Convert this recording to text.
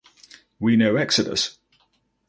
We know Exodus.